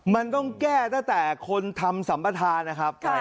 มันต้องแก้ตั้งแต่คนทำสัมปทานนะครับ